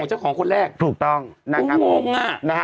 ต้องเป็นของเจ้าของคนแรก